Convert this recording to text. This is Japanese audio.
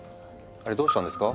あれどうしたんですか？